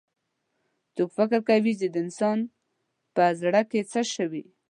څوک فکر کوي چې د انسان پهزړه کي څه دي